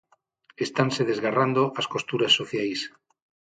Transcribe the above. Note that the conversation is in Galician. Estanse desgarrando as costuras sociais.